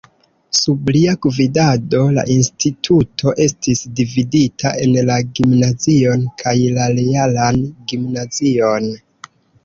Sub lia gvidado la instituto estis dividita en la gimnazion kaj la realan gimnazion.